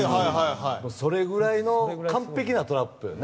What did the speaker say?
それぐらいの完璧なトラップだね。